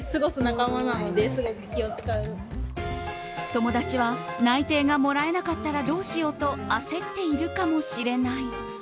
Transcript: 友達は内定がもらえなかったらどうしようと焦っているかもしれない。